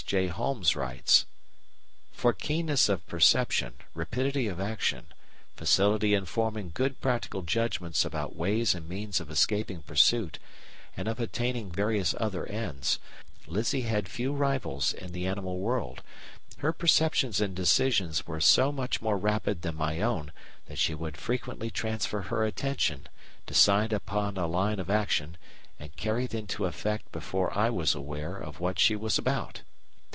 J. Holmes writes: "For keenness of perception, rapidity of action, facility in forming good practical judgments about ways and means of escaping pursuit and of attaining various other ends, Lizzie had few rivals in the animal world.... Her perceptions and decisions were so much more rapid than my own that she would frequently transfer her attention, decide upon a line of action, and carry it into effect before I was aware of what she was about.